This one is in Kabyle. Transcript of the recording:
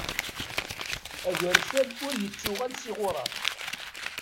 Agercal ur ittuɣal s iɣuṛaf.